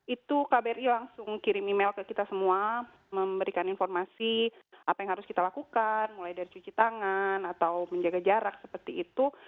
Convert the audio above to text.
itu kbri langsung kirim email ke kita semua memberikan informasi apa yang harus kita lakukan mulai dari cuci tangan atau menjaga jarak seperti itu